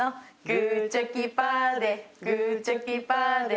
グーチョキパーでグーチョキパーで